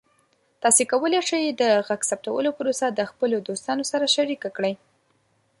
تاسو کولی شئ د غږ ثبتولو پروسه د خپلو دوستانو سره شریکه کړئ.